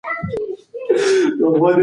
پلار موږ ته د حلال او حرام ترمنځ پولې را ښيي.